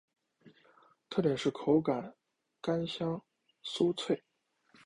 特点是口感干香酥脆。